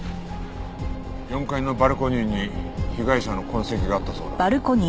４階のバルコニーに被害者の痕跡があったそうだ。